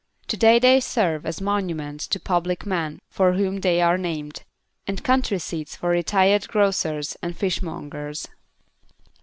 Today they serve as monuments to Public Men for whom they are named (See Presidential Range), and country seats for retired Grocers and Fishmongers.